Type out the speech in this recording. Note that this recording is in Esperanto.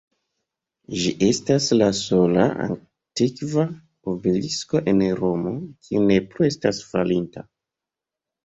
Ĝi estas la sola antikva obelisko en Romo, kiu ne plu estas falinta.